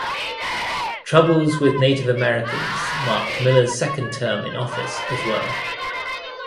Troubles with Native Americans marked Miller's second term in office as well.